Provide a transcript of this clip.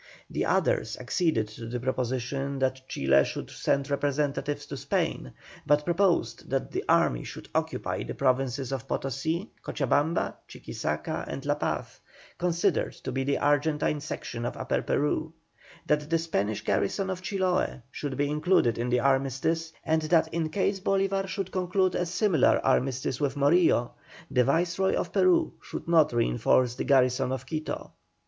The others acceded to the proposition that Chile should send representatives to Spain, but proposed that the army should occupy the provinces of Potosí, Cochabamba, Chuquisaca, and La Paz, considered to be the Argentine section of Upper Peru; that the Spanish garrison of Chiloe should be included in the armistice; and that in case Bolívar should conclude a similar armistice with Morillo, the Viceroy of Peru should not reinforce the garrison of Quito.